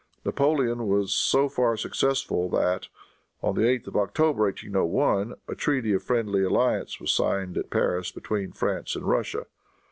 Napoleon was so far successful that, on the 8th of October, 1801, a treaty of friendly alliance was signed at Paris between France and Russia.